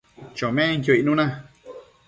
chomenquio icnuna